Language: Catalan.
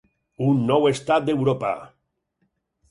Un nou estat d'Europa!